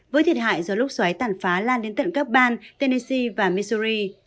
với thiệt hại do lốc xoáy tàn phá lan đến tận các bang tennessee và missouri